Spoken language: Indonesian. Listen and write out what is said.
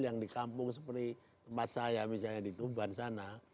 yang di kampung seperti tempat saya misalnya di tuban sana